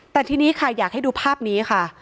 แต่ทีนี้ค่ะอยากให้ดูภาพนี้ค่ะ